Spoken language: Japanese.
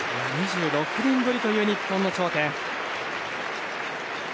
２６年ぶりという日本の頂点。